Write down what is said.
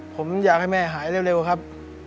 ผมอยากให้แม่หายเร็วครับ